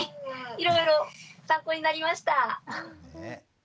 いろいろ参考になりました。